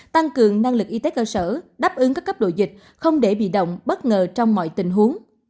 tăng cường năng lực y tế cơ sở đáp ứng các cấp độ dịch không để bị động bất ngờ trong mọi tình huống